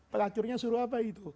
pelacurnya suruh apa itu